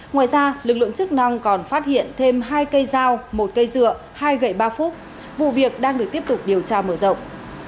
ngoài ra lực lượng chức năng còn phát hiện thêm hai cây dao một cây dựa hai gậy ba phúc vụ việc đang được tiếp tục điều tra mở rộng